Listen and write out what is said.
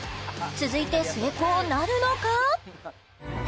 続いて成功なるのか？